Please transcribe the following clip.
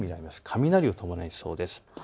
雷を伴いそうです。